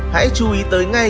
hãy chú ý tới ngay